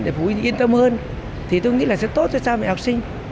để phụ huynh yên tâm hơn thì tôi nghĩ là sẽ tốt cho trang mệnh học sinh